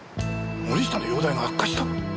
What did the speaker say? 森下の容体が悪化した？